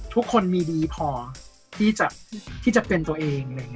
ทุกคนมีดีพอที่จะเป็นตัวเอง